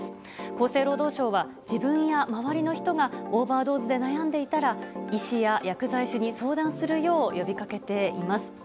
厚生労働省は自分や周りの人がオーバードーズで悩んでいたら医師や薬剤師に相談するよう呼び掛けています。